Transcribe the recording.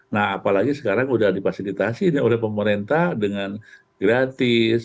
nah apalagi sekarang sudah dipasilitasi oleh pemerintah dengan gratis